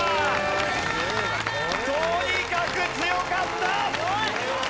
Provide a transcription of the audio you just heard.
とにかく強かった！